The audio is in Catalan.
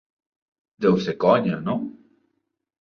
Deu ser de conya, no?